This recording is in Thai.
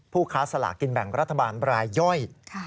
ค้าสลากกินแบ่งรัฐบาลรายย่อย